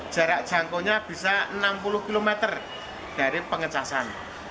jarak jangkaunya bisa enam puluh km dari pengecasan